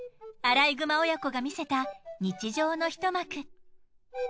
アライグマ親子が見せた日常の一幕。